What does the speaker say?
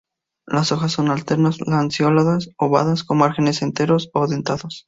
Las hojas son alternas, lanceoladas o ovadas con márgenes enteros o dentados.